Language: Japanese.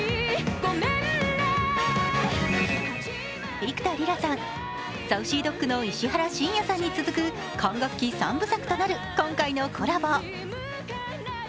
幾田りらさん、ＳａｕｃｙＤｏｇの石原慎也さんに続く管楽器３部作となる今回のコラボ。